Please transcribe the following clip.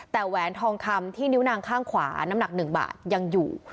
แต่แหวนทองคำที่นิ้วนางข้างขวาน้ำหนัก๑บาทยังอยู่